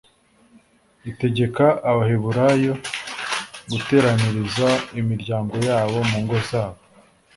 itegeka Abaheburayo guteraniriza imiryango yabo mu ngo zabo